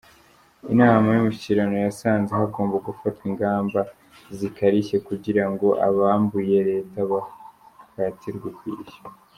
Inama y'umushyikirano yasanze hagomba gufatwa ingamba zikarishye kugira ngo abambuye Leta bahatirwe kuyishyura.